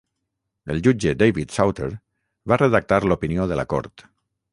El jutge David Souter va redactar l'opinió de la Cort.